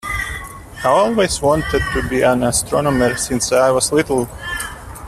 I always wanted to be an astronomer since I was little.